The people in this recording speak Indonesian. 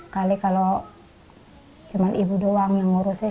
kali kalau cuma ibu doang yang ngurusin